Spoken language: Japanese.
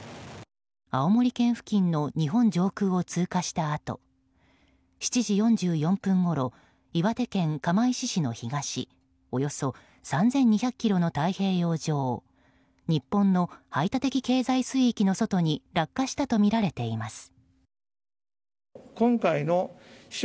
青森県付近の日本上空を通過したあと７時４４分ごろ岩手県釜石市の東およそ３２００ｋｍの太平洋上日本の排他的経済水域の外に落下したとみられています。